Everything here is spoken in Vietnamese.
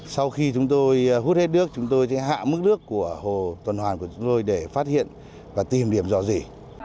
sau khi chúng tôi hút hết nước chúng tôi sẽ hạ mức nước của hồ tuần hoàn của chúng tôi để phát hiện và tìm điểm dò dỉ